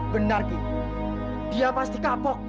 benar ki dia pasti kapok